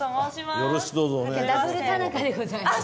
よろしくお願いします。